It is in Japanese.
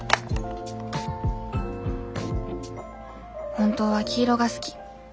本当は黄色が好き。